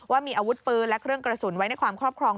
ว่ามีอาวุธปืนและเครื่องกระสุนไว้ในความครอบครอง